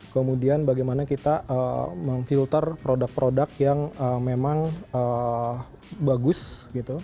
kemudian bagaimana kita memfilter produk produk yang memang bagus gitu